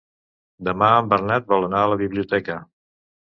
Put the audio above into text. Demà en Bernat vol anar a la biblioteca.